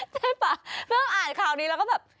ใช่ป่ะเพิ่งอ่านข่าวนี้แล้วก็แบบ